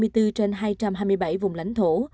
trên hai trăm hai mươi bảy vùng lãnh thổ